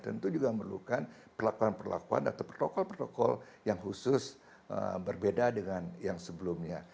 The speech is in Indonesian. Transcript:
tentu juga memerlukan perlakuan perlakuan atau protokol protokol yang khusus berbeda dengan yang sebelumnya